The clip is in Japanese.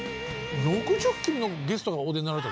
６０組のゲストがお出になられた？